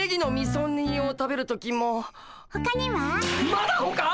まだほか！？